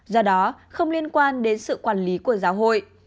do đó không liên quan đến sự quản lý của giáo hội